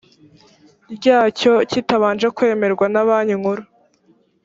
ryacyo kitabanje kwemerwa na banki nkuru